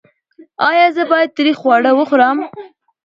ایا زه باید تریخ خواړه وخورم؟